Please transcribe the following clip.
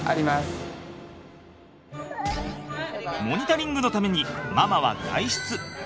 モニタリングのためにママは外出。